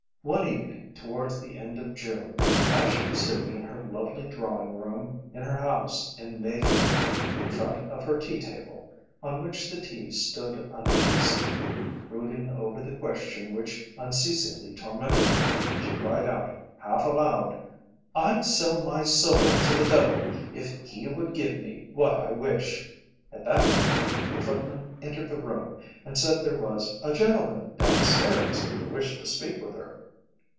One evening towards the end of June, as she was sitting in her lovely drawing room in her house in Mayfair, in front of her tea table, on which the tea stood untasted, brooding over the question which unceasingly tormented her, she cried out, half aloud: "I'd sell my soul to the devil if he would give me what I wish." At that moment the footman entered the room and said there was a gentleman downstairs who wished to speak with her.